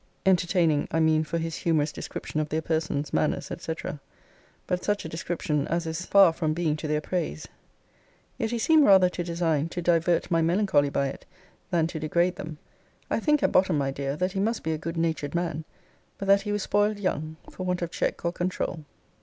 Entertaining, I mean for his humourous description of their persons, manners, &c. but such a description as is far from being to their praise. Yet he seemed rather to design to divert my melancholy by it than to degrade them. I think at bottom, my dear, that he must be a good natured man; but that he was spoiled young, for want of check or controul.